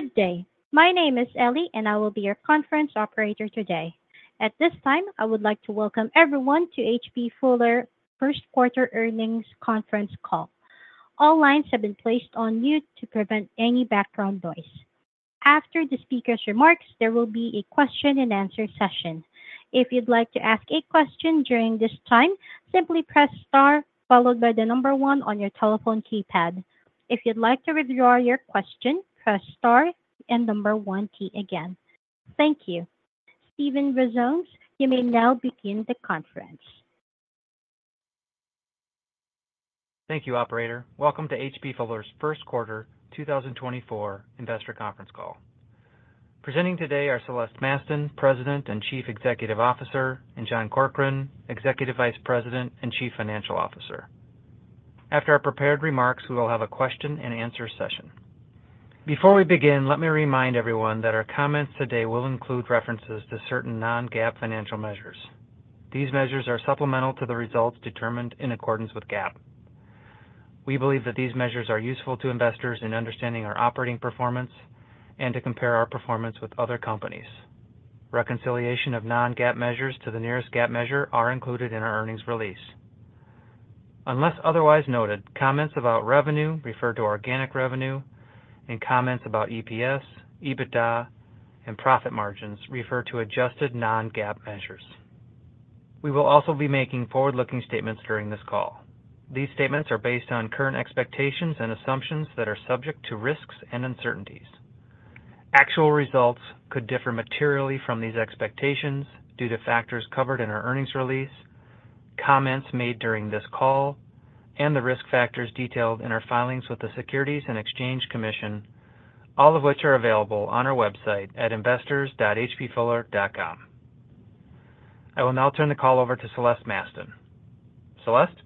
Good day. My name is Ellie, and I will be your conference operator today. At this time, I would like to welcome everyone to H.B. Fuller First Quarter Earnings Conference Call. All lines have been placed on mute to prevent any background noise. After the speaker's remarks, there will be a question-and-answer session. If you'd like to ask a question during this time, simply press star followed by the number one on your telephone keypad. If you'd like to withdraw your question, press star and number one key again. Thank you. Steven Brazones, you may now begin the conference. Thank you, operator. Welcome to H.B. Fuller's First Quarter 2024 Investor Conference call. Presenting today are Celeste Mastin, President and Chief Executive Officer, and John Corkrean, Executive Vice President and Chief Financial Officer. After our prepared remarks, we will have a question-and-answer session. Before we begin, let me remind everyone that our comments today will include references to certain non-GAAP financial measures. These measures are supplemental to the results determined in accordance with GAAP. We believe that these measures are useful to investors in understanding our operating performance and to compare our performance with other companies. Reconciliation of non-GAAP measures to the nearest GAAP measure are included in our earnings release. Unless otherwise noted, comments about revenue refer to organic revenue, and comments about EPS, EBITDA, and profit margins refer to adjusted non-GAAP measures. We will also be making forward-looking statements during this call. These statements are based on current expectations and assumptions that are subject to risks and uncertainties. Actual results could differ materially from these expectations due to factors covered in our earnings release, comments made during this call, and the risk factors detailed in our filings with the Securities and Exchange Commission, all of which are available on our website at investors.hbfuller.com. I will now turn the call over to Celeste Mastin. Celeste?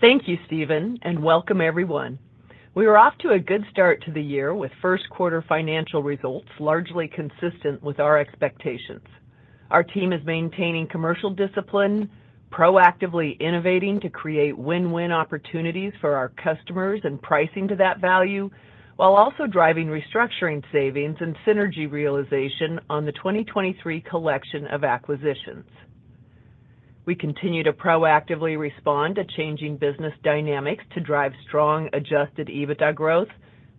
Thank you, Steven, and welcome everyone. We were off to a good start to the year with first quarter financial results largely consistent with our expectations. Our team is maintaining commercial discipline, proactively innovating to create win-win opportunities for our customers and pricing to that value, while also driving restructuring savings and synergy realization on the 2023 collection of acquisitions. We continue to proactively respond to changing business dynamics to drive strong adjusted EBITDA growth,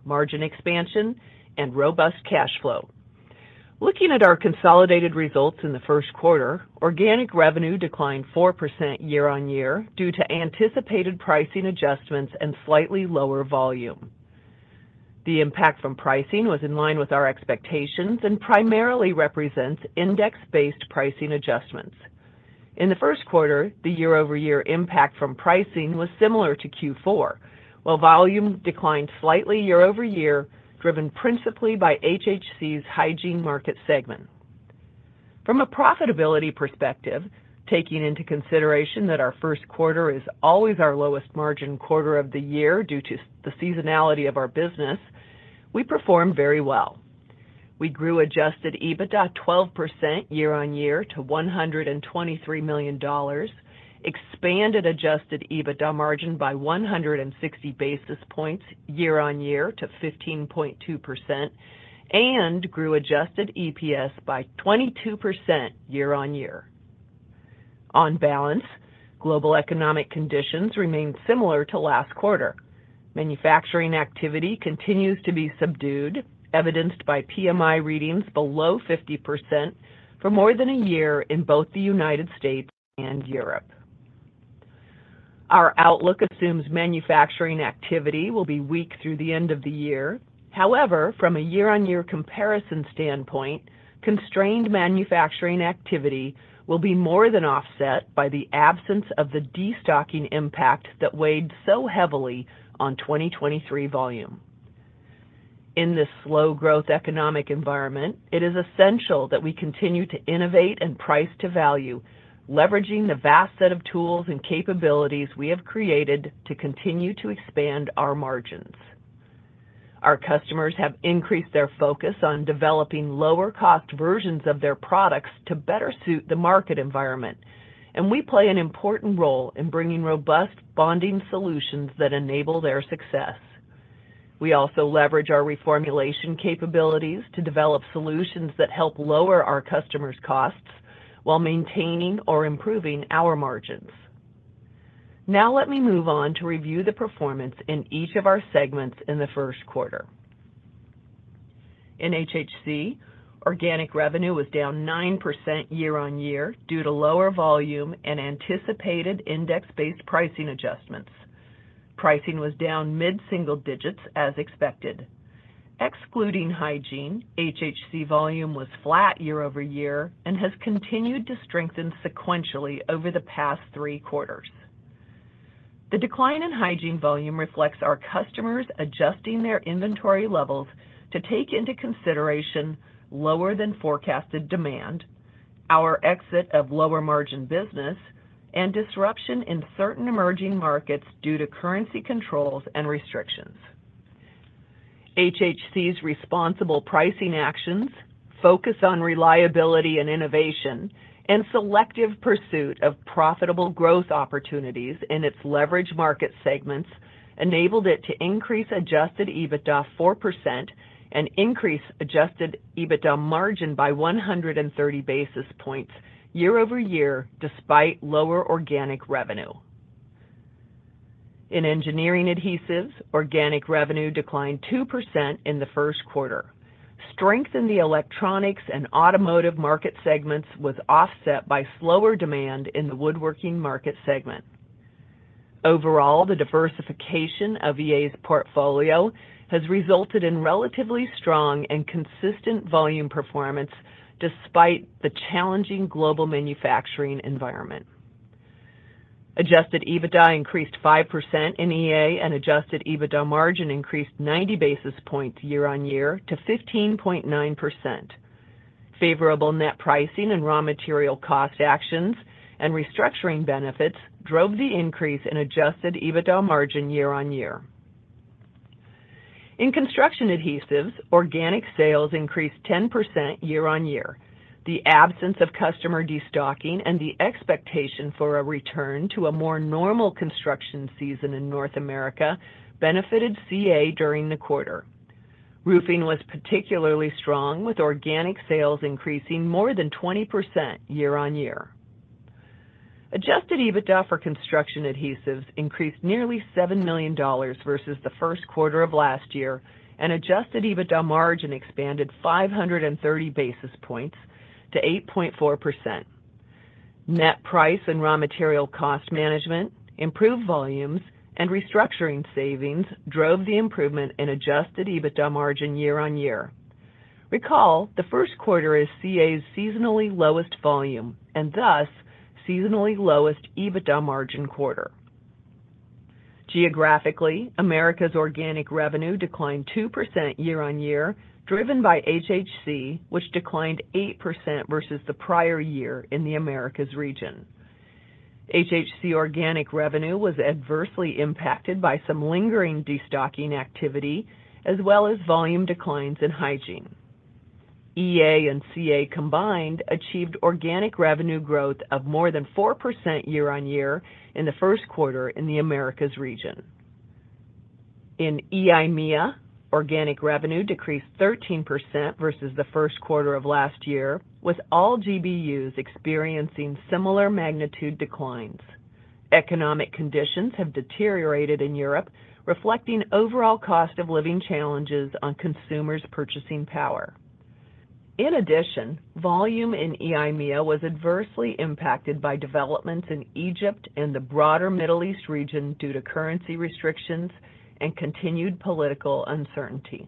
margin expansion, and robust cash flow. Looking at our consolidated results in the first quarter, organic revenue declined 4% year-over-year due to anticipated pricing adjustments and slightly lower volume. The impact from pricing was in line with our expectations and primarily represents index-based pricing adjustments. In the first quarter, the year-over-year impact from pricing was similar to Q4, while volume declined slightly year-over-year, driven principally by HHC's hygiene market segment. From a profitability perspective, taking into consideration that our first quarter is always our lowest margin quarter of the year due to the seasonality of our business, we performed very well. We grew adjusted EBITDA 12% year-over-year to $123 million, expanded adjusted EBITDA margin by 160 basis points year-over-year to 15.2%, and grew adjusted EPS by 22% year-over-year. On balance, global economic conditions remained similar to last quarter. Manufacturing activity continues to be subdued, evidenced by PMI readings below 50% for more than a year in both the United States and Europe. Our outlook assumes manufacturing activity will be weak through the end of the year. However, from a year-over-year comparison standpoint, constrained manufacturing activity will be more than offset by the absence of the destocking impact that weighed so heavily on 2023 volume. In this slow-growth economic environment, it is essential that we continue to innovate and price to value, leveraging the vast set of tools and capabilities we have created to continue to expand our margins. Our customers have increased their focus on developing lower-cost versions of their products to better suit the market environment, and we play an important role in bringing robust bonding solutions that enable their success. We also leverage our reformulation capabilities to develop solutions that help lower our customers' costs while maintaining or improving our margins. Now let me move on to review the performance in each of our segments in the first quarter. In HHC, organic revenue was down 9% year-on-year due to lower volume and anticipated index-based pricing adjustments. Pricing was down mid-single digits as expected. Excluding hygiene, HHC volume was flat year-over-year and has continued to strengthen sequentially over the past three quarters. The decline in hygiene volume reflects our customers adjusting their inventory levels to take into consideration lower-than-forecasted demand, our exit of lower-margin business, and disruption in certain emerging markets due to currency controls and restrictions. HHC's responsible pricing actions, focus on reliability and innovation, and selective pursuit of profitable growth opportunities in its leveraged market segments enabled it to increase adjusted EBITDA 4% and increase adjusted EBITDA margin by 130 basis points year-over-year despite lower organic revenue. In Engineering Adhesives, organic revenue declined 2% in the first quarter, strength in the electronics and automotive market segments with offset by slower demand in the woodworking market segment. Overall, the diversification of EA's portfolio has resulted in relatively strong and consistent volume performance despite the challenging global manufacturing environment. Adjusted EBITDA increased 5% in EA, and adjusted EBITDA margin increased 90 basis points year-over-year to 15.9%. Favorable net pricing and raw material cost actions and restructuring benefits drove the increase in adjusted EBITDA margin year-over-year. In Construction Adhesives, organic sales increased 10% year-over-year. The absence of customer destocking and the expectation for a return to a more normal construction season in North America benefited CA during the quarter. Roofing was particularly strong, with organic sales increasing more than 20% year-over-year. Adjusted EBITDA for Construction Adhesives increased nearly $7 million versus the first quarter of last year, and adjusted EBITDA margin expanded 530 basis points to 8.4%. Net price and raw material cost management, improved volumes, and restructuring savings drove the improvement in adjusted EBITDA margin year-over-year. Recall, the first quarter is CA's seasonally lowest volume and thus seasonally lowest EBITDA margin quarter. Geographically, Americas' organic revenue declined 2% year-on-year, driven by HHC, which declined 8% versus the prior year in the Americas region. HHC organic revenue was adversely impacted by some lingering destocking activity as well as volume declines in hygiene. EA and CA combined achieved organic revenue growth of more than 4% year-on-year in the first quarter in the Americas region. In EIMEA, organic revenue decreased 13% versus the first quarter of last year, with all GBUs experiencing similar magnitude declines. Economic conditions have deteriorated in Europe, reflecting overall cost of living challenges on consumers' purchasing power. In addition, volume in EIMEA was adversely impacted by developments in Egypt and the broader Middle East region due to currency restrictions and continued political uncertainty.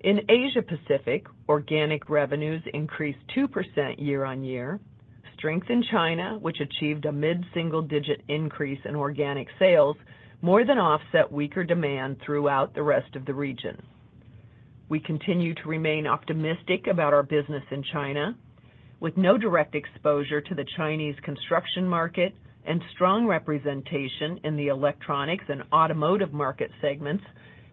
In Asia-Pacific, organic revenues increased 2% year-on-year. Strength in China, which achieved a mid-single digit increase in organic sales, more than offset weaker demand throughout the rest of the region. We continue to remain optimistic about our business in China. With no direct exposure to the Chinese construction market and strong representation in the electronics and automotive market segments,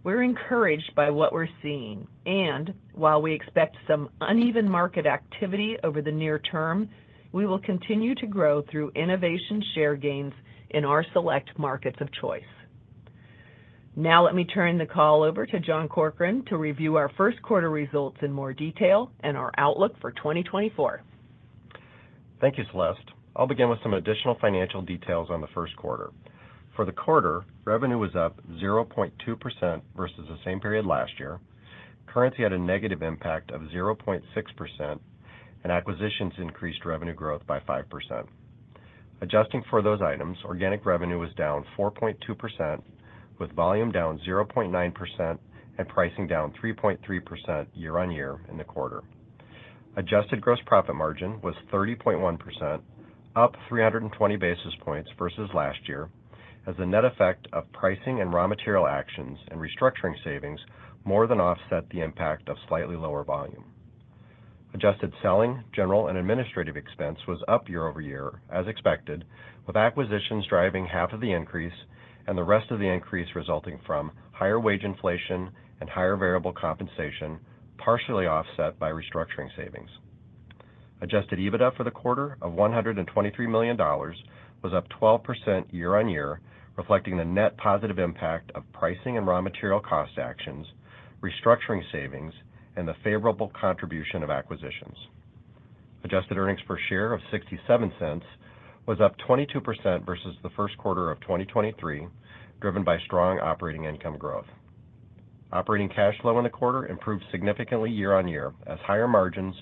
we're encouraged by what we're seeing. And while we expect some uneven market activity over the near term, we will continue to grow through innovation share gains in our select markets of choice. Now let me turn the call over to John Corkrean to review our first quarter results in more detail and our outlook for 2024. Thank you, Celeste. I'll begin with some additional financial details on the first quarter. For the quarter, revenue was up 0.2% versus the same period last year. Currency had a negative impact of 0.6%, and acquisitions increased revenue growth by 5%. Adjusting for those items, organic revenue was down 4.2%, with volume down 0.9% and pricing down 3.3% year-over-year in the quarter. Adjusted gross profit margin was 30.1%, up 320 basis points versus last year, as a net effect of pricing and raw material actions and restructuring savings more than offset the impact of slightly lower volume. Adjusted selling, general, and administrative expense was up year-over-year as expected, with acquisitions driving half of the increase and the rest of the increase resulting from higher wage inflation and higher variable compensation, partially offset by restructuring savings. Adjusted EBITDA for the quarter of $123 million was up 12% year-over-year, reflecting the net positive impact of pricing and raw material cost actions, restructuring savings, and the favorable contribution of acquisitions. Adjusted earnings per share of $0.67 was up 22% versus the first quarter of 2023, driven by strong operating income growth. Operating cash flow in the quarter improved significantly year-over-year as higher margins,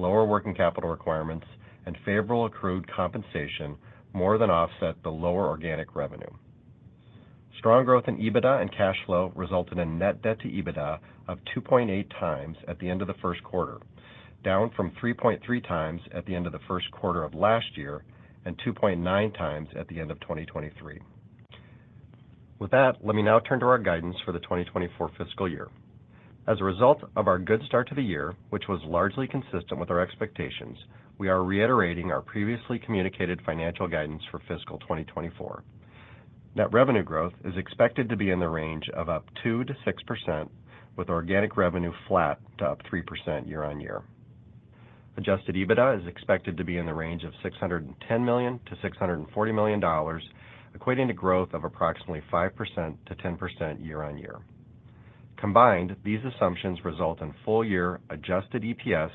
lower working capital requirements, and favorable accrued compensation more than offset the lower organic revenue. Strong growth in EBITDA and cash flow resulted in net debt to EBITDA of 2.8x at the end of the first quarter, down from 3.3x at the end of the first quarter of last year and 2.9x at the end of 2023. With that, let me now turn to our guidance for the 2024 fiscal year. As a result of our good start to the year, which was largely consistent with our expectations, we are reiterating our previously communicated financial guidance for fiscal 2024. Net revenue growth is expected to be in the range of up 2%-6%, with organic revenue flat to up 3% year-on-year. Adjusted EBITDA is expected to be in the range of $610-$640 million, equating to growth of approximately 5%-10% year-on-year. Combined, these assumptions result in full-year adjusted EPS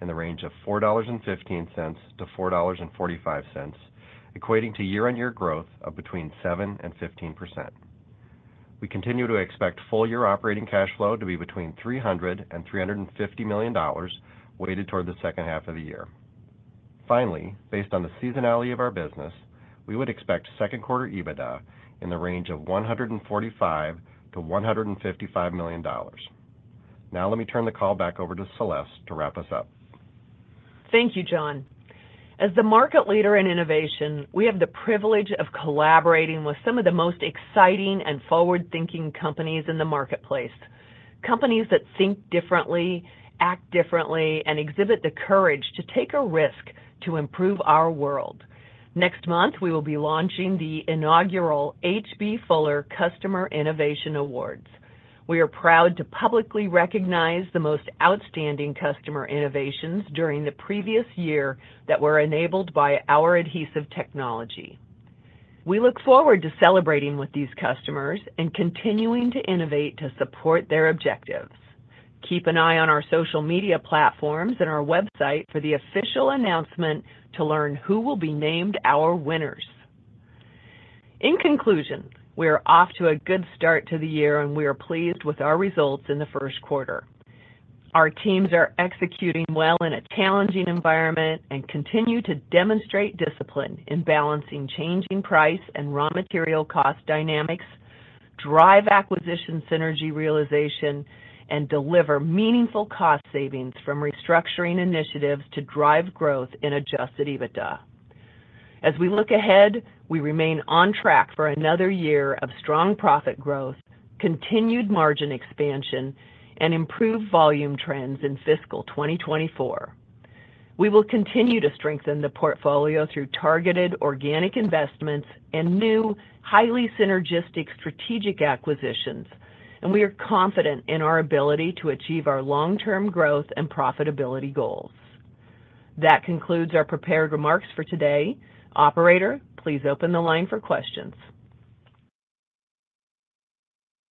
in the range of $4.15-$4.45, equating to year-on-year growth of between 7% and 15%. We continue to expect full-year operating cash flow to be between $300 million and $350 million weighted toward the second half of the year. Finally, based on the seasonality of our business, we would expect second quarter EBITDA in the range of $145 million-$155 million. Now let me turn the call back over to Celeste to wrap us up. Thank you, John. As the market leader in innovation, we have the privilege of collaborating with some of the most exciting and forward-thinking companies in the marketplace, companies that think differently, act differently, and exhibit the courage to take a risk to improve our world. Next month, we will be launching the inaugural H.B. Fuller Customer Innovation Awards. We are proud to publicly recognize the most outstanding customer innovations during the previous year that were enabled by our adhesive technology. We look forward to celebrating with these customers and continuing to innovate to support their objectives. Keep an eye on our social media platforms and our website for the official announcement to learn who will be named our winners. In conclusion, we're off to a good start to the year, and we are pleased with our results in the first quarter. Our teams are executing well in a challenging environment and continue to demonstrate discipline in balancing changing price and raw material cost dynamics, drive acquisition synergy realization, and deliver meaningful cost savings from restructuring initiatives to drive growth in adjusted EBITDA. As we look ahead, we remain on track for another year of strong profit growth, continued margin expansion, and improved volume trends in fiscal 2024. We will continue to strengthen the portfolio through targeted organic investments and new, highly synergistic strategic acquisitions, and we are confident in our ability to achieve our long-term growth and profitability goals. That concludes our prepared remarks for today. Operator, please open the line for questions.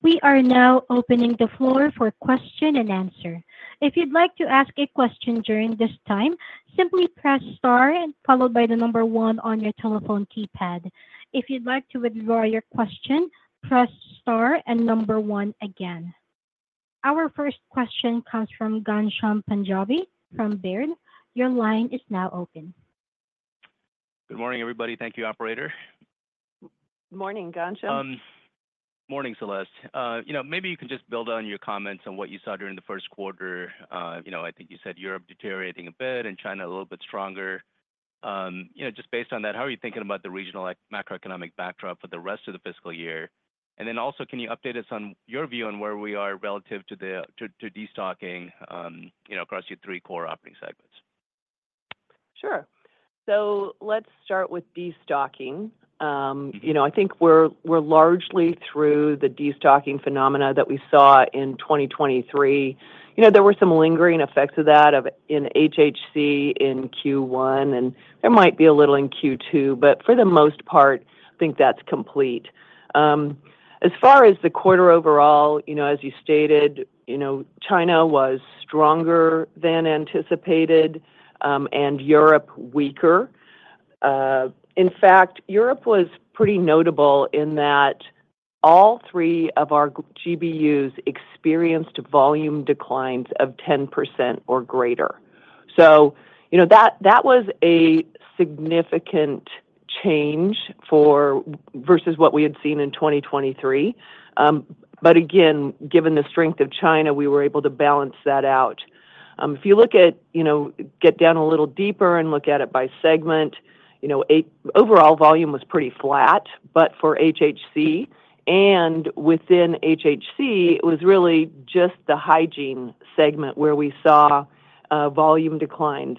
We are now opening the floor for question and answer. If you'd like to ask a question during this time, simply press star followed by the number one on your telephone keypad. If you'd like to withdraw your question, press star and number one again. Our first question comes from Ghansham Panjabi from Baird. Your line is now open. Good morning, everybody. Thank you, Operator. Morning, Gansham. Morning, Celeste. Maybe you can just build on your comments on what you saw during the first quarter. I think you said Europe deteriorating a bit and China a little bit stronger. Just based on that, how are you thinking about the regional macroeconomic backdrop for the rest of the fiscal year? And then also, can you update us on your view on where we are relative to destocking across your three core operating segments? Sure. So let's start with destocking. I think we're largely through the destocking phenomena that we saw in 2023. There were some lingering effects of that in HHC in Q1, and there might be a little in Q2, but for the most part, I think that's complete. As far as the quarter overall, as you stated, China was stronger than anticipated and Europe weaker. In fact, Europe was pretty notable in that all three of our GBUs experienced volume declines of 10% or greater. So that was a significant change versus what we had seen in 2023. But again, given the strength of China, we were able to balance that out. If you look to get down a little deeper and look at it by segment, overall volume was pretty flat, but for HHC and within HHC, it was really just the hygiene segment where we saw volume declines.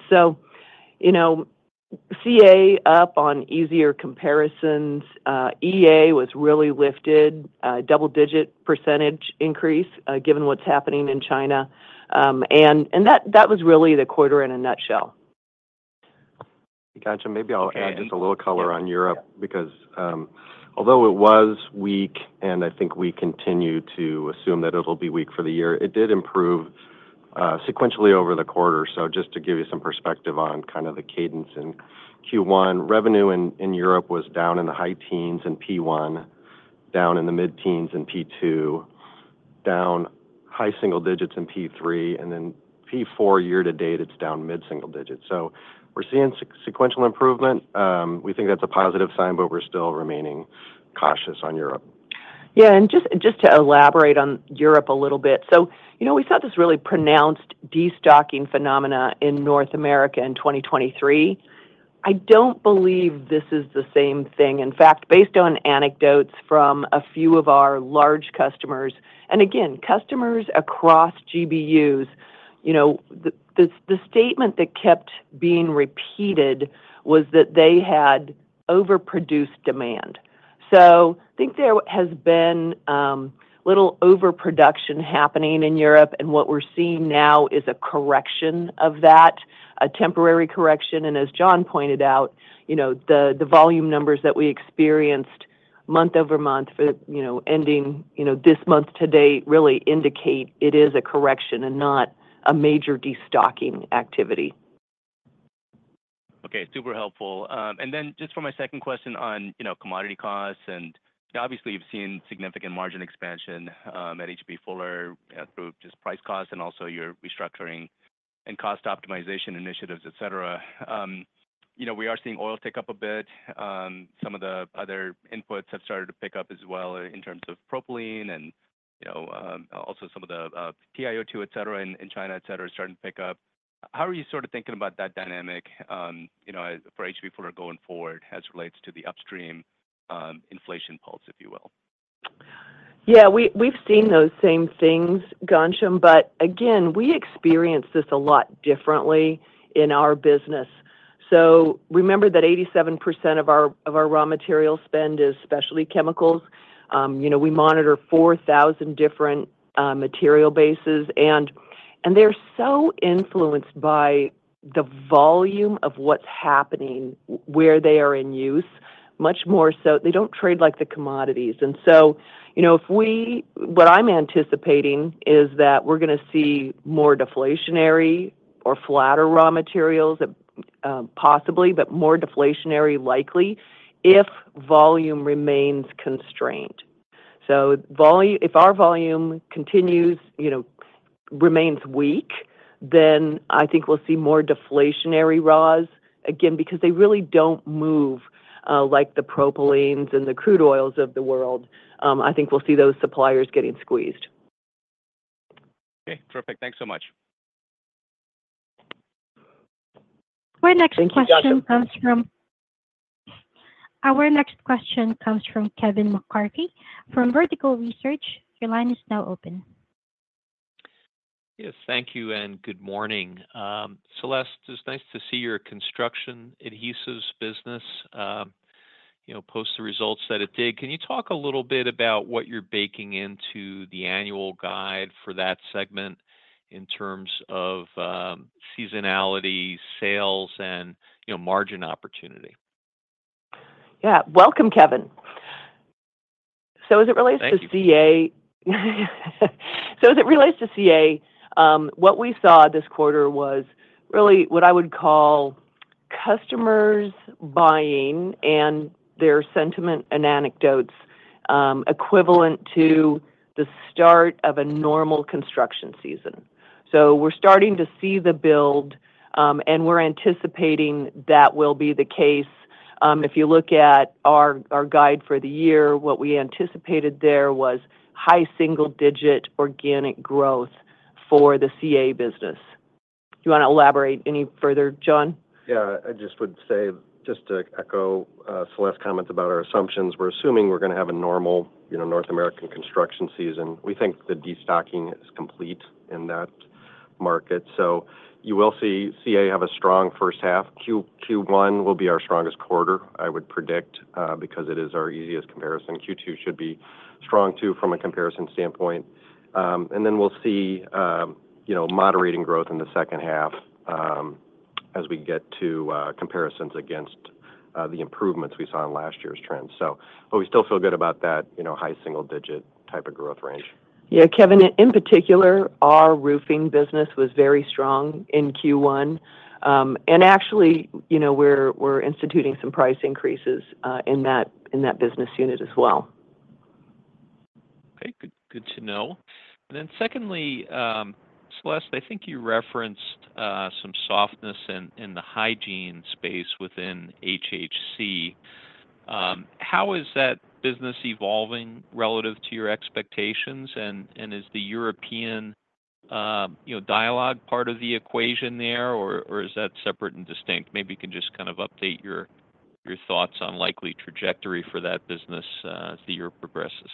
CA up on easier comparisons. EA was really lifted, double-digit percentage increase given what's happening in China. That was really the quarter in a nutshell. Gotcha. Maybe I'll add just a little color on Europe because although it was weak, and I think we continue to assume that it'll be weak for the year, it did improve sequentially over the quarter. So just to give you some perspective on kind of the cadence in Q1, revenue in Europe was down in the high teens in P1, down in the mid-teens in P2, down high single digits in P3. And then P4 year to date, it's down mid-single digits. So we're seeing sequential improvement. We think that's a positive sign, but we're still remaining cautious on Europe. Yeah. And just to elaborate on Europe a little bit, so we saw this really pronounced destocking phenomenon in North America in 2023. I don't believe this is the same thing. In fact, based on anecdotes from a few of our large customers and again, customers across GBUs, the statement that kept being repeated was that they had overproduced demand. So I think there has been a little overproduction happening in Europe, and what we're seeing now is a correction of that, a temporary correction. And as John pointed out, the volume numbers that we experienced month-over-month ending this month to date really indicate it is a correction and not a major destocking activity. Okay, super helpful. And then just for my second question on commodity costs, and obviously, you've seen significant margin expansion at H.B. Fuller through just price costs and also your restructuring and cost optimization initiatives, etc. We are seeing oil take up a bit. Some of the other inputs have started to pick up as well in terms of propylene and also some of the TiO2, etc., in China, etc., starting to pick up. How are you sort of thinking about that dynamic for H.B. Fuller going forward as relates to the upstream inflation pulse, if you will? Yeah, we've seen those same things, Ghansham. But again, we experience this a lot differently in our business. So remember that 87% of our raw material spend is specialty chemicals. We monitor 4,000 different material bases, and they're so influenced by the volume of what's happening where they are in use, much more so they don't trade like the commodities. And so what I'm anticipating is that we're going to see more deflationary or flatter raw materials, possibly, but more deflationary likely if volume remains constrained. So if our volume remains weak, then I think we'll see more deflationary raws, again, because they really don't move like the propylenes and the crude oils of the world. I think we'll see those suppliers getting squeezed. Okay, terrific. Thanks so much. Our next question comes from Kevin McCarthy from Vertical Research. Your line is now open. Yes, thank you and good morning. Celeste, it's nice to see your Construction Adhesives business post the results that it did. Can you talk a little bit about what you're baking into the annual guide for that segment in terms of seasonality, sales, and margin opportunity? Yeah, welcome, Kevin. So as it relates to CA, what we saw this quarter was really what I would call customers buying and their sentiment and anecdotes equivalent to the start of a normal construction season. So we're starting to see the build, and we're anticipating that will be the case. If you look at our guide for the year, what we anticipated there was high single-digit organic growth for the CA business. Do you want to elaborate any further, John? Yeah, I just would say just to echo Celeste's comments about our assumptions, we're assuming we're going to have a normal North American construction season. We think the destocking is complete in that market. So you will see CA have a strong first half. Q1 will be our strongest quarter, I would predict, because it is our easiest comparison. Q2 should be strong too from a comparison standpoint. And then we'll see moderating growth in the second half as we get to comparisons against the improvements we saw in last year's trends. But we still feel good about that high single-digit type of growth range. Yeah, Kevin, in particular, our roofing business was very strong in Q1. Actually, we're instituting some price increases in that business unit as well. Okay, good to know. And then secondly, Celeste, I think you referenced some softness in the hygiene space within HHC. How is that business evolving relative to your expectations? And is the European dialogue part of the equation there, or is that separate and distinct? Maybe you can just kind of update your thoughts on likely trajectory for that business as the year progresses.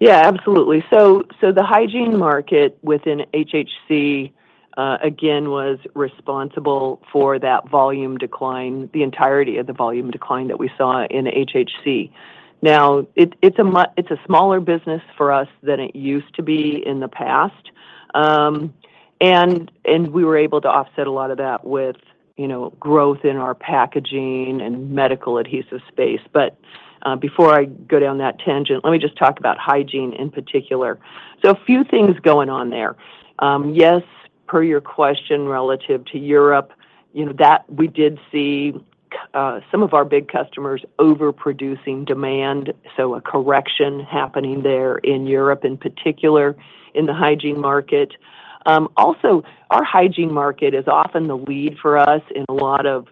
Yeah, absolutely. So the hygiene market within HHC, again, was responsible for that volume decline, the entirety of the volume decline that we saw in HHC. Now, it's a smaller business for us than it used to be in the past, and we were able to offset a lot of that with growth in our packaging and medical adhesive space. But before I go down that tangent, let me just talk about hygiene in particular. So a few things going on there. Yes, per your question relative to Europe, we did see some of our big customers overproducing demand, so a correction happening there in Europe in particular in the hygiene market. Also, our hygiene market is often the lead for us in a lot of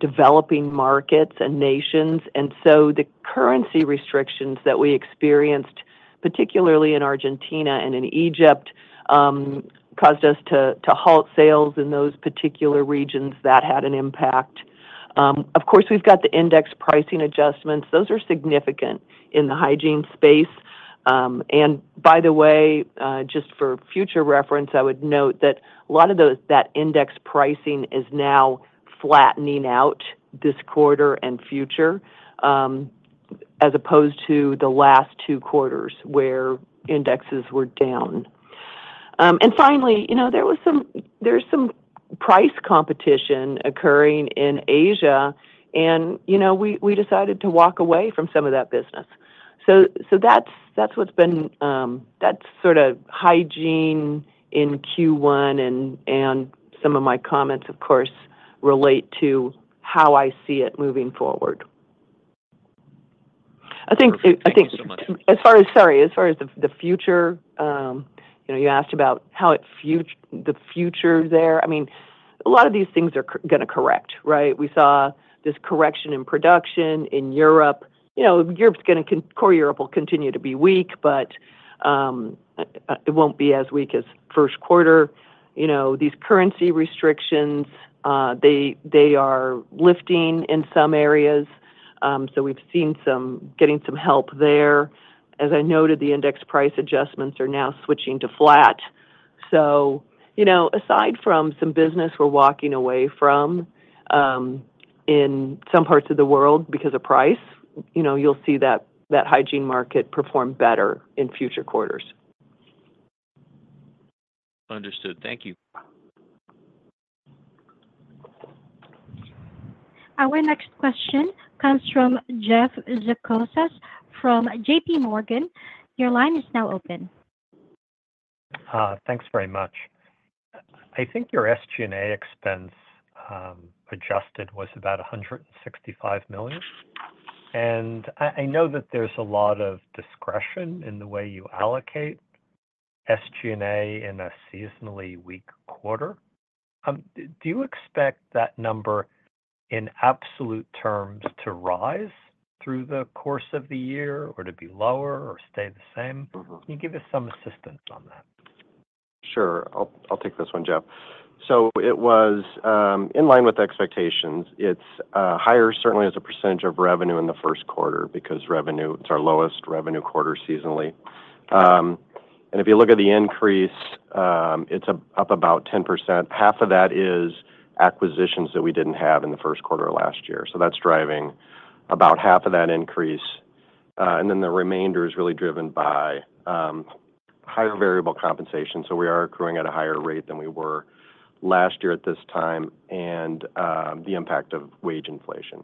developing markets and nations. So the currency restrictions that we experienced, particularly in Argentina and in Egypt, caused us to halt sales in those particular regions that had an impact. Of course, we've got the index pricing adjustments. Those are significant in the hygiene space. And by the way, just for future reference, I would note that a lot of that index pricing is now flattening out this quarter and future as opposed to the last two quarters where indexes were down. And finally, there's some price competition occurring in Asia, and we decided to walk away from some of that business. So that's what's been that's sort of hygiene in Q1, and some of my comments, of course, relate to how I see it moving forward. I think as far as sorry, as far as the future, you asked about how the future there. I mean, a lot of these things are going to correct, right? We saw this correction in production in Europe. Core Europe will continue to be weak, but it won't be as weak as first quarter. These currency restrictions, they are lifting in some areas. So we've seen some getting some help there. As I noted, the index price adjustments are now switching to flat. So aside from some business we're walking away from in some parts of the world because of price, you'll see that hygiene market perform better in future quarters. Understood. Thank you. Our next question comes from Jeff Zekauskas from J.P. Morgan. Your line is now open. Thanks very much. I think your SG&A expense adjusted was about $165 million. I know that there's a lot of discretion in the way you allocate SG&A in a seasonally weak quarter. Do you expect that number in absolute terms to rise through the course of the year or to be lower or stay the same? Can you give us some assistance on that? Sure. I'll take this one, Jeff. It was in line with expectations. It's higher, certainly, as a percentage of revenue in the first quarter because it's our lowest revenue quarter seasonally. If you look at the increase, it's up about 10%. Half of that is acquisitions that we didn't have in the first quarter of last year. That's driving about half of that increase. The remainder is really driven by higher variable compensation. We are accruing at a higher rate than we were last year at this time and the impact of wage inflation.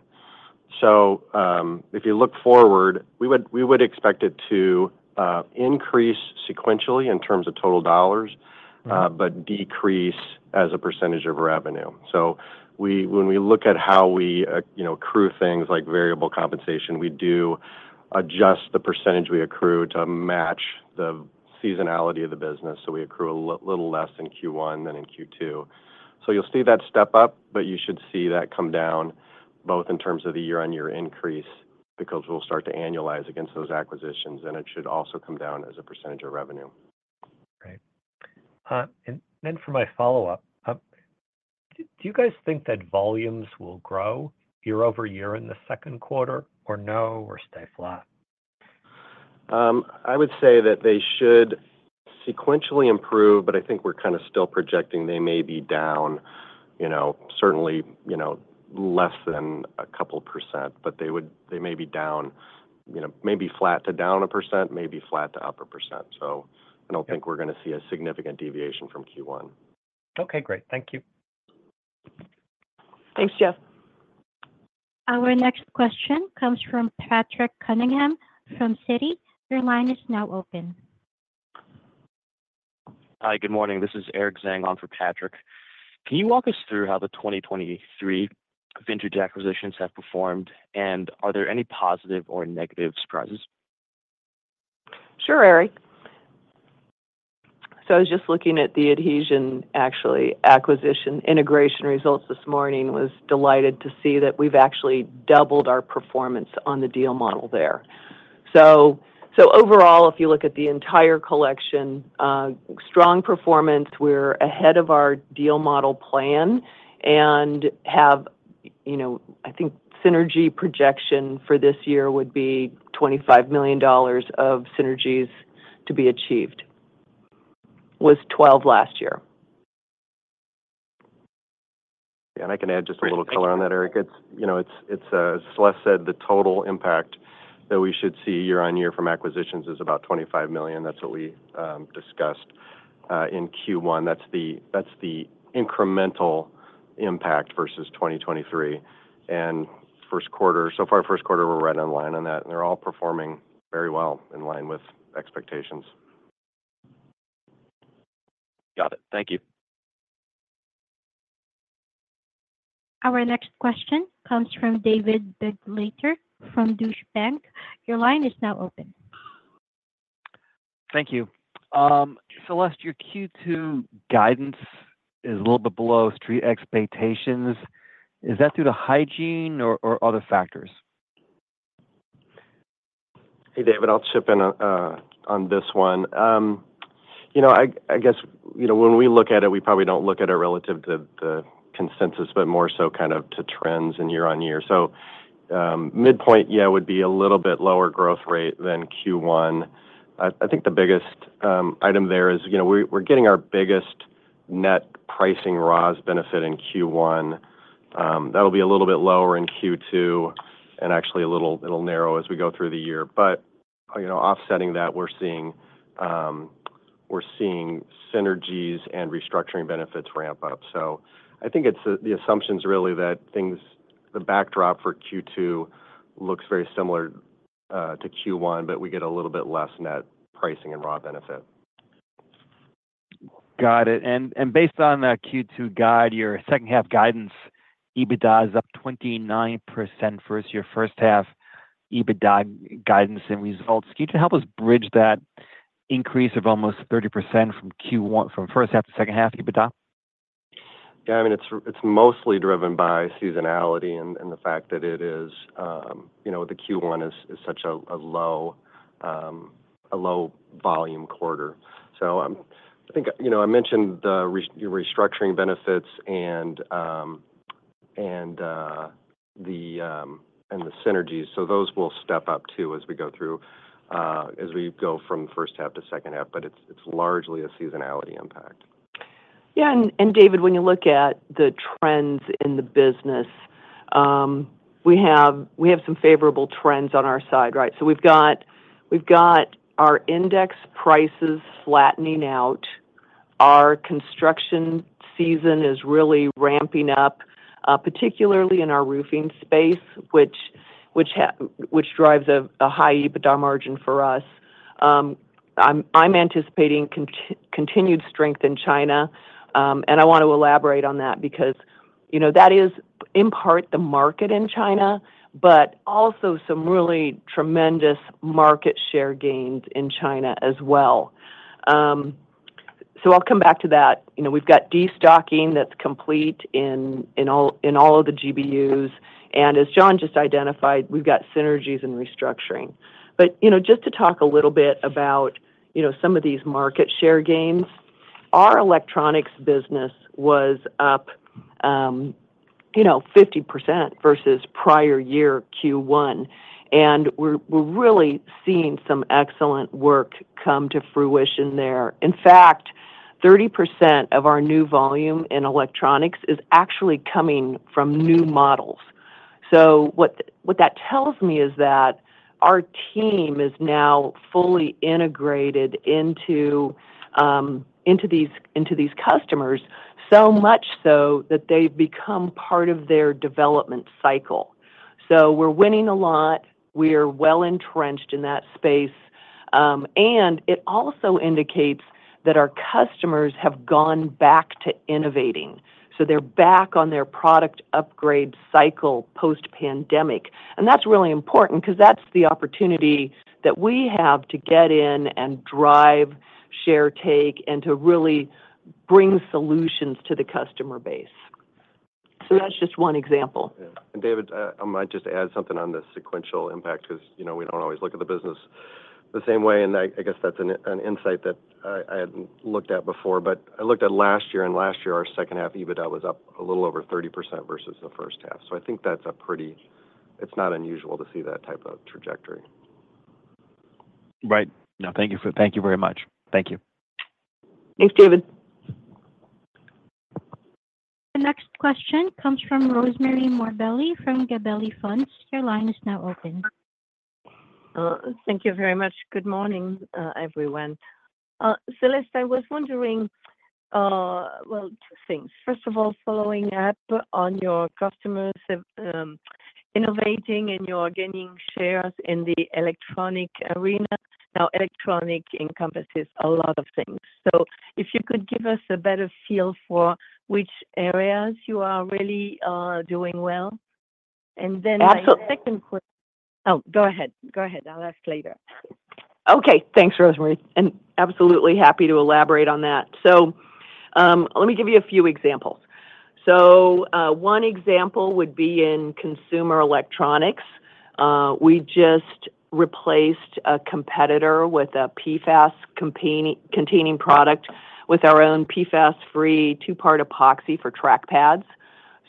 If you look forward, we would expect it to increase sequentially in terms of total dollars but decrease as a percentage of revenue. When we look at how we accrue things like variable compensation, we do adjust the percentage we accrue to match the seasonality of the business. So we accrue a little less in Q1 than in Q2. So you'll see that step up, but you should see that come down both in terms of the year-on-year increase because we'll start to annualize against those acquisitions, and it should also come down as a percentage of revenue. Great. Then for my follow-up, do you guys think that volumes will grow year-over-year in the second quarter, or no, or stay flat? I would say that they should sequentially improve, but I think we're kind of still projecting they may be down, certainly less than a couple percent, but they may be down, maybe flat to down 1%, maybe flat to up 1%. So I don't think we're going to see a significant deviation from Q1. Okay, great. Thank you. Thanks, Jeff. Our next question comes from Patrick Cunningham from Citi. Your line is now open. Hi, good morning. This is Eric Zhang on for Patrick. Can you walk us through how the 2023 vintage acquisitions have performed, and are there any positive or negative surprises? Sure, Eric. So I was just looking at the Adhezion, actually, acquisition integration results this morning. I was delighted to see that we've actually doubled our performance on the deal model there. So overall, if you look at the entire collection, strong performance. We're ahead of our deal model plan and have, I think, synergy projection for this year would be $25 million of synergies to be achieved, was $12 million last year. Yeah, and I can add just a little color on that, Eric. It's Celeste said the total impact that we should see year-on-year from acquisitions is about $25 million. That's what we discussed in Q1. That's the incremental impact versus 2023. And so far, first quarter, we're right on line on that, and they're all performing very well in line with expectations. Got it. Thank you. Our next question comes from David Begleiter from Deutsche Bank. Your line is now open. Thank you. Celeste, your Q2 guidance is a little bit below street expectations. Is that due to hygiene or other factors? Hey, David, I'll chip in on this one. I guess when we look at it, we probably don't look at it relative to the consensus, but more so kind of to trends and year-on-year. So midpoint, yeah, would be a little bit lower growth rate than Q1. I think the biggest item there is we're getting our biggest net pricing raws benefit in Q1. That'll be a little bit lower in Q2 and actually a little narrow as we go through the year. But offsetting that, we're seeing synergies and restructuring benefits ramp up. So I think the assumption is really that the backdrop for Q2 looks very similar to Q1, but we get a little bit less net pricing and raws benefit. Got it. And based on that Q2 guide, your second-half guidance EBITDA is up 29% versus your first-half EBITDA guidance and results. Can you help us bridge that increase of almost 30% from first-half to second-half EBITDA? Yeah, I mean, it's mostly driven by seasonality and the fact that the Q1 is such a low-volume quarter. So I think I mentioned the restructuring benefits and the synergies. So those will step up too as we go through, as we go from first-half to second-half, but it's largely a seasonality impact. Yeah, and David, when you look at the trends in the business, we have some favorable trends on our side, right? So we've got our index prices flattening out. Our construction season is really ramping up, particularly in our roofing space, which drives a high EBITDA margin for us. I'm anticipating continued strength in China, and I want to elaborate on that because that is in part the market in China, but also some really tremendous market share gains in China as well. So I'll come back to that. We've got destocking that's complete in all of the GBUs. And as John just identified, we've got synergies and restructuring. But just to talk a little bit about some of these market share gains, our electronics business was up 50% versus prior year, Q1. And we're really seeing some excellent work come to fruition there. In fact, 30% of our new volume in electronics is actually coming from new models. So what that tells me is that our team is now fully integrated into these customers, so much so that they've become part of their development cycle. So we're winning a lot. We are well entrenched in that space. And it also indicates that our customers have gone back to innovating. So they're back on their product upgrade cycle post-pandemic. And that's really important because that's the opportunity that we have to get in and drive share take and to really bring solutions to the customer base. So that's just one example. And David, I might just add something on the sequential impact because we don't always look at the business the same way. I guess that's an insight that I hadn't looked at before. I looked at last year, and last year, our second-half EBITDA was up a little over 30% versus the first half. I think that's a pretty it's not unusual to see that type of trajectory. Right. No, thank you very much. Thank you. Thanks, David. The next question comes from Rosemarie Morbelli from Gabelli Funds. Your line is now open. Thank you very much. Good morning, everyone. Celeste, I was wondering, well, two things. First of all, following up on your customers innovating and your gaining shares in the electronics arena. Now, electronics encompasses a lot of things. So if you could give us a better feel for which areas you are really doing well. And then my second question, oh, go ahead. Go ahead. I'll ask later. Okay. Thanks, Rosemarie. And absolutely happy to elaborate on that. So let me give you a few examples. So one example would be in consumer electronics. We just replaced a competitor with a PFAS-containing product with our own PFAS-free two-part epoxy for trackpads.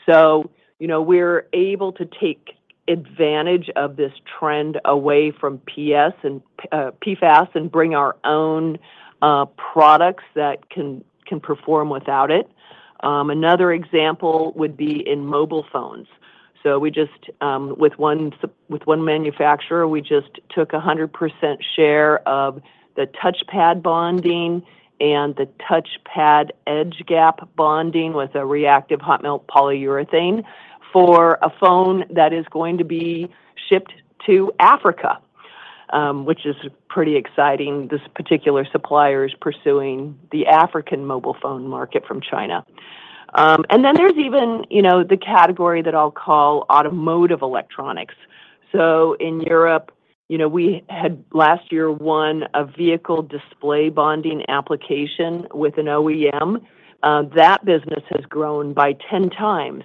So we're able to take advantage of this trend away from PFAS and bring our own products that can perform without it. Another example would be in mobile phones. So with one manufacturer, we just took 100% share of the touchpad bonding and the touchpad edge gap bonding with a reactive hot melt polyurethane for a phone that is going to be shipped to Africa, which is pretty exciting. This particular supplier is pursuing the African mobile phone market from China. And then there's even the category that I'll call automotive electronics. So in Europe, we had last year won a vehicle display bonding application with an OEM. That business has grown by 10 times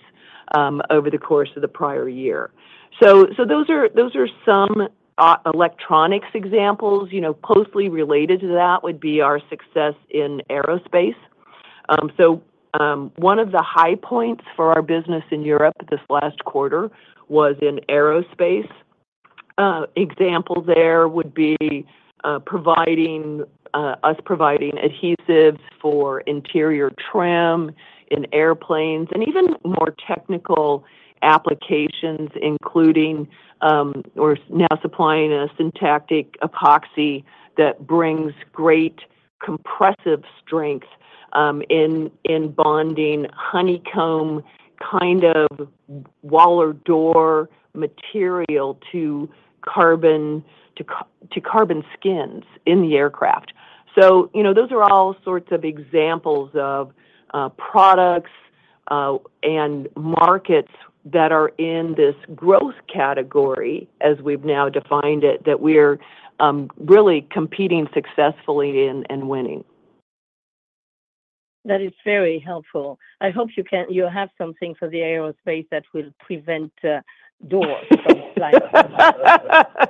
over the course of the prior year. So those are some electronics examples. Closely related to that would be our success in aerospace. So one of the high points for our business in Europe this last quarter was in aerospace. Example there would be us providing adhesives for interior trim in airplanes and even more technical applications, including we're now supplying a syntactic epoxy that brings great compressive strength in bonding honeycomb kind of wall or door material to carbon skins in the aircraft. So those are all sorts of examples of products and markets that are in this growth category, as we've now defined it, that we're really competing successfully and winning. That is very helpful. I hope you have something for the aerospace that will prevent doors from flying off.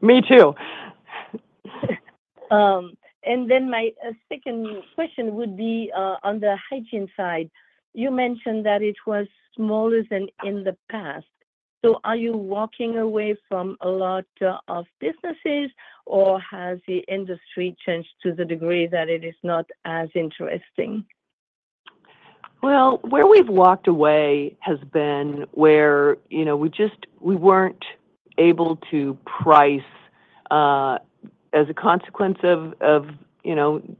Me too. And then my second question would be on the hygiene side. You mentioned that it was smaller than in the past. So are you walking away from a lot of businesses, or has the industry changed to the degree that it is not as interesting? Well, where we've walked away has been where we weren't able to price as a consequence of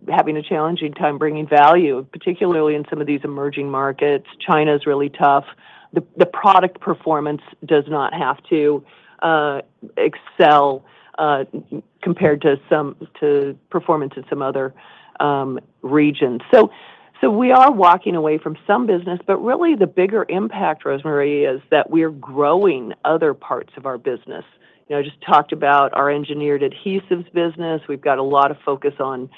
having a challenging time bringing value, particularly in some of these emerging markets. China is really tough. The product performance does not have to excel compared to performance in some other regions. So we are walking away from some business, but really the bigger impact, Rosemarie, is that we're growing other parts of our business. I just talked about our engineered adhesives business. We've got a lot of focus on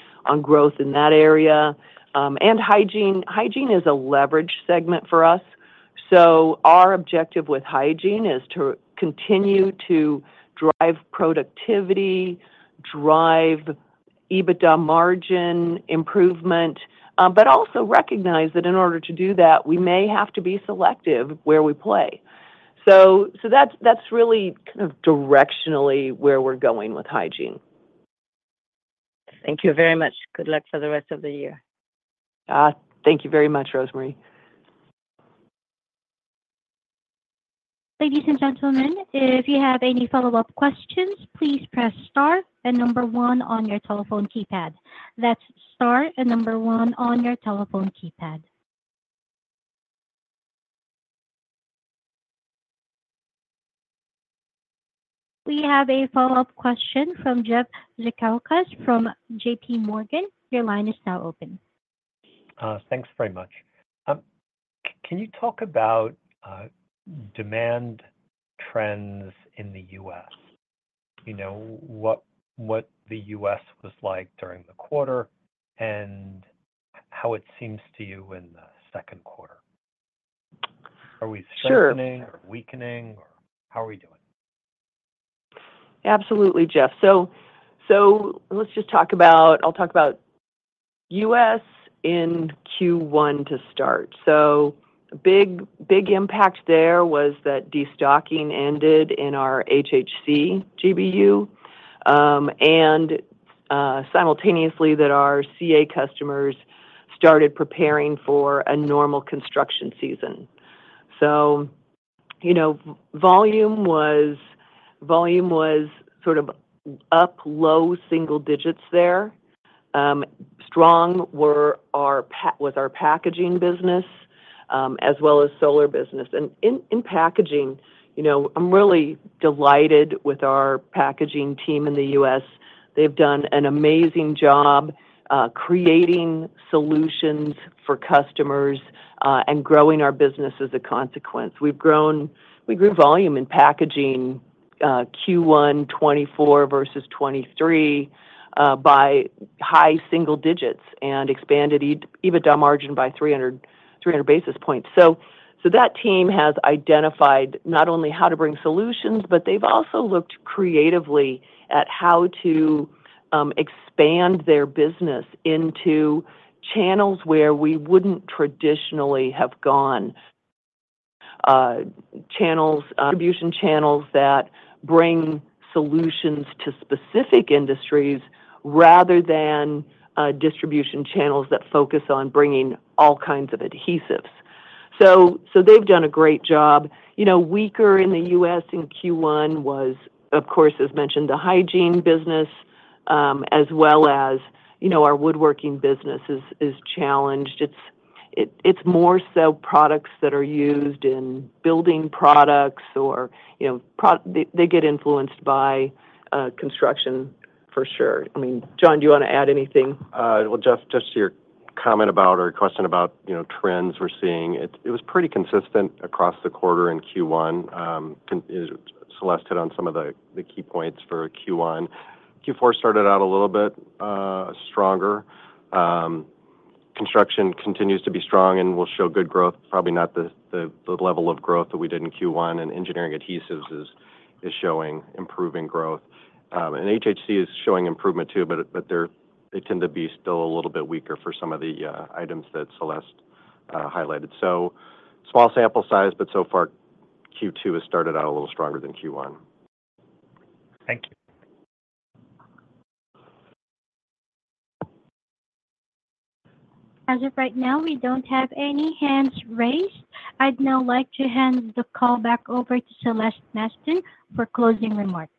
growth in that area. And hygiene is a leverage segment for us. So our objective with hygiene is to continue to drive productivity, drive EBITDA margin improvement, but also recognize that in order to do that, we may have to be selective where we play. So that's really kind of directionally where we're going with hygiene. Thank you very much. Good luck for the rest of the year. Thank you very much, Rosemarie. Ladies and gentlemen, if you have any follow-up questions, please press star and number one on your telephone keypad. That's star and number one on your telephone keypad. We have a follow-up question from Jeff Zekauskas from J.P. Morgan. Your line is now open. Thanks very much. Can you talk about demand trends in the U.S., what the U.S. was like during the quarter, and how it seems to you in the second quarter? Are we strengthening or weakening, or how are we doing? Absolutely, Jeff. So let's just talk about. I'll talk about U.S. in Q1 to start. So a big impact there was that destocking ended in our HHC GBU, and simultaneously, that our CA customers started preparing for a normal construction season. So volume was sort of up low single digits there. Strong was our packaging business as well as solar business. And in packaging, I'm really delighted with our packaging team in the U.S.. They've done an amazing job creating solutions for customers and growing our business as a consequence. We grew volume in packaging Q1 2024 versus 2023 by high single digits and expanded EBITDA margin by 300 basis points. So that team has identified not only how to bring solutions, but they've also looked creatively at how to expand their business into channels where we wouldn't traditionally have gone, distribution channels that bring solutions to specific industries rather than distribution channels that focus on bringing all kinds of adhesives. So they've done a great job. Weaker in the U.S. in Q1 was, of course, as mentioned, the hygiene business, as well as our woodworking business is challenged. It's more so products that are used in building products, or they get influenced by construction, for sure. I mean, John, do you want to add anything? Well, Jeff, just your comment about or question about trends we're seeing. It was pretty consistent across the quarter in Q1. Celeste hit on some of the key points for Q1. Q4 started out a little bit stronger. Construction continues to be strong and will show good growth, probably not the level of growth that we did in Q1. Engineering Adhesives is showing improving growth. HHC is showing improvement too, but they tend to be still a little bit weaker for some of the items that Celeste highlighted. Small sample size, but so far, Q2 has started out a little stronger than Q1. Thank you. As of right now, we don't have any hands raised. I'd now like to hand the call back over to Celeste Mastin for closing remarks.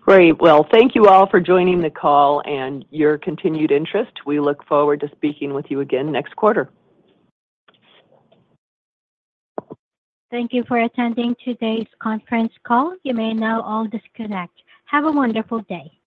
Great. Well, thank you all for joining the call and your continued interest. We look forward to speaking with you again next quarter. Thank you for attending today's conference call. You may now all disconnect. Have a wonderful day.